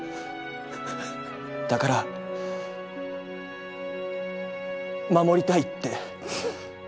だから守りたいって。